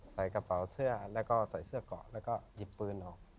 ใส่กระเป๋าเสื้อแล้วก็ใส่เสื้อเกาะแล้วก็หยิบปืนออก